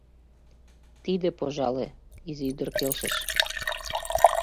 — Тиде - пожале, — изи ӱдыр келшыш.